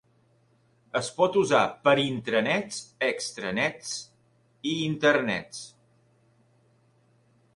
Es pot usar per intranets, extranets i internets.